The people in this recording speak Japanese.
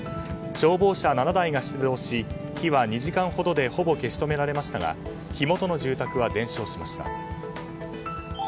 消防車７台が出動し火は２時間ほどでほぼ消し止められましたが火元の住宅は全焼しました。